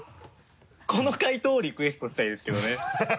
この解答をリクエストしたいですけどね。